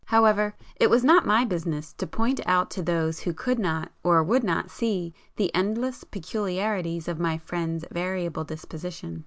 However it was not my business to point out to those who could not, or would not, see the endless peculiarities of my friend's variable disposition.